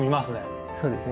そうですね。